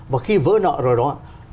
và khi vỡ nợ rồi đó